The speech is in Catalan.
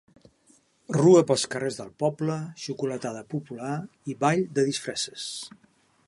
Rua pels carrers del poble, xocolatada popular i ball de disfresses.